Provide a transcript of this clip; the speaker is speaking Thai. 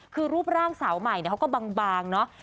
คือรูปร่างสาวใหม่เขาก็บางเนอะ